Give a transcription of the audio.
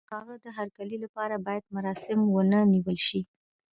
د هغه د هرکلي لپاره بايد مراسم ونه نيول شي.